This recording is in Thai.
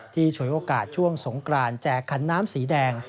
ฉวยโอกาสช่วงสงกรานแจกขันน้ำสีแดง